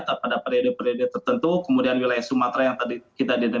terhadap periode periode tertentu kemudian wilayah sumatera yang tadi kita didenunkan